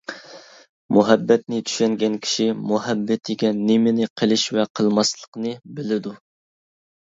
مۇھەببەتنى چۈشەنگەن كىشى مۇھەببىتىگە نېمىنى قىلىش ۋە قىلماسلىقنى بىلىدۇ.